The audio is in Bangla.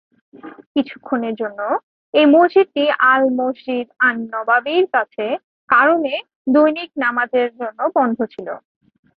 কিছুক্ষণের জন্য, এই মসজিদটি আল-মসজিদ আন-নবাবীর কাছে কারণে দৈনিক নামাজের জন্য বন্ধ ছিল।